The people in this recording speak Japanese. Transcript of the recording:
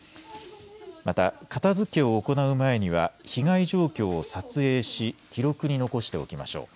また片づけを行う前には被害状況を撮影し記録に残しておきましょう。